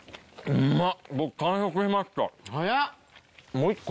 うまっ。